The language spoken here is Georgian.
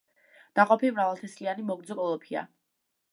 ნაყოფი მრავალთესლიანი მოგრძო კოლოფია.